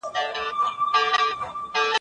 په دغه ښار کي لیونی وو اوس هغه نه ښکاري